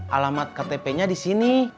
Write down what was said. alamat ktpnya disini